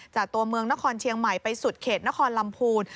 ตัวเมืองนครเชียงใหม่ไปสุดเขตนครลำพูน